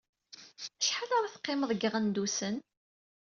Acḥal ara teqqimeḍ deg Iɣendusen?